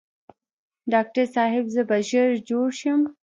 ډاکټر صاحب زه به ژر جوړ شم؟